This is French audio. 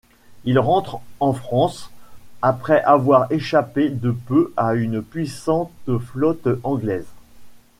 Il rentre en France après avoir échappé de peu à une puissante flotte anglaise.